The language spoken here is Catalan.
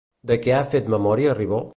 De què ha fet memòria Ribó?